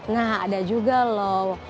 nah ada juga loh